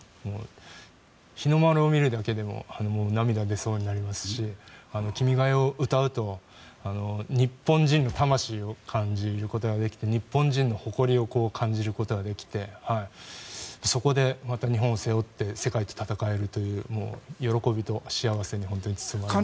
日の丸を見るだけでも涙が出そうになりますし「君が代」を歌うと日本人の魂を感じることができて日本人の誇りを感じることができてそこでまた日本を背負って世界と戦えるという喜びと幸せに本当に包まれます。